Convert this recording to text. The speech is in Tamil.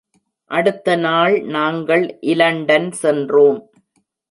அடுத்த நாள் நாங்கள் இலண்டன் சென்றோம்.